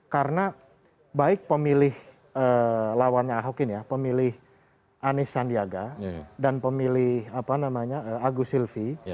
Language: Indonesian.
karena baik pemilih lawannya auk ini ya pemilih anies sandiaga dan pemilih agus silvi